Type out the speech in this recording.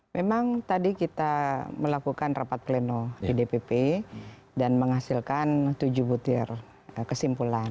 memang tadi kita melakukan rapat pleno di dpp dan menghasilkan tujuh butir kesimpulan